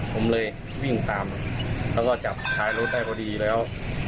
ผมเลยวิ่งตามแล้วก็จับท้ายรถได้พอดีแล้ว